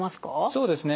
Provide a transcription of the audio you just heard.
そうですね。